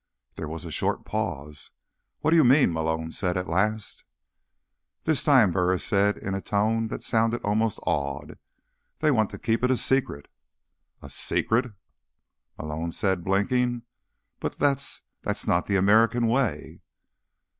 There was a short pause. "What do you mean?" Malone said at last. "This time," Burris said, in a tone that sounded almost awed, "they want to keep it a secret." "A secret?" Malone said, blinking. "But that's—that's not the American way."